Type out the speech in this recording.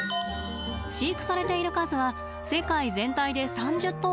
飼育されている数は世界全体で３０頭ほどです。